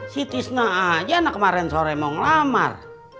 si tisna aja anak kemarin sore mau ngelamar